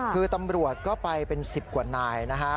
คือตำรวจก็ไปเป็นสิบกว่านายนะฮะ